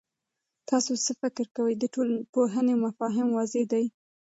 تاسو څه فکر کوئ، د ټولنپوهنې مفاهیم واضح دي؟